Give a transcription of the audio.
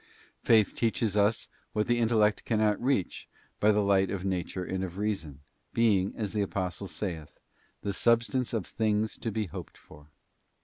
Faith teaches us what the intellect cannot reach by the light of nature and of reason, being, as the Apostle saith, 'the substance of things to be hoped for.